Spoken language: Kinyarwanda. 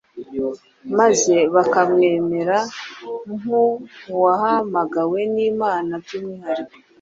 maze bakamwemera nk’uwahamagawe n’Imana by’umwuhariko